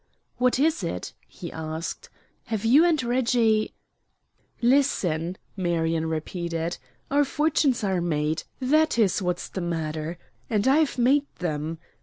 "What is it?" he asked. "Have you and Reggie " "Listen," Marion repeated, "our fortunes are made; that is what's the matter and I've made them.